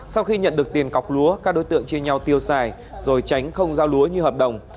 sau khi nhận được tiền cọc lúa các đối tượng chia nhau tiêu xài rồi tránh không giao lúa như hợp đồng